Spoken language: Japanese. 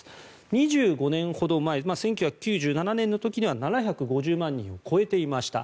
２５年ほど前、１９９７年の時は７５０万人を超えていました。